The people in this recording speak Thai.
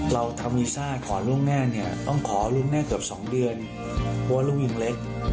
เราทำลูกแม่ค่อนก่อนลูกแม่ต้องขอลูกแม่ถึงสองเดือนบ่วนนุ่มยิ่งเล็ก